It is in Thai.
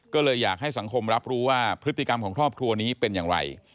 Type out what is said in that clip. ก็เลยอยากให้สังคมรับรู้ว่าพฤติกรรมของครอบครัวนี้เป็นอย่างไร